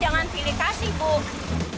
jangan pilih kasih bu